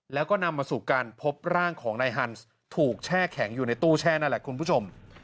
แล้วก็นำมาสู่การพบร่างของนายฮันส์ถูกแช่แข็งอยู่ในตู้แช่นั่นแหละคุณผู้ชม